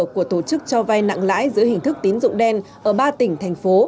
của tổ chức cho vay nặng lãi dưới hình thức tín dụng đen ở ba tỉnh thành phố